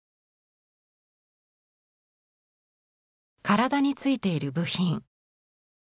体についている部品。